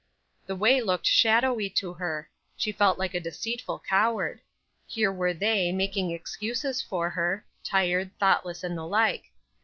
The way looked shadowy to her; she felt like a deceitful coward. Here were they, making excuses for her tired, thoughtless, and the like.